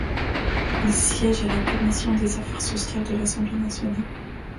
Il siège à la Commission des affaires sociales de l'Assemblée nationale.